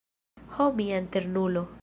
Ho mia Eternulo!